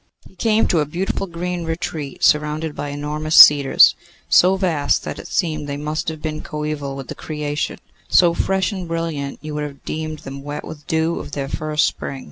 He came to a beautiful green retreat surrounded by enormous cedars, so vast that it seemed they must have been coeval with the creation; so fresh and brilliant, you would have deemed them wet with the dew of their first spring.